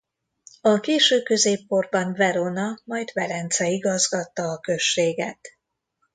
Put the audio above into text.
A késő középkorban Verona majd Velence igazgatta a községet.